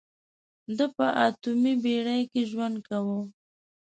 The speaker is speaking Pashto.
ده په اتمې پېړۍ کې ژوند کاوه.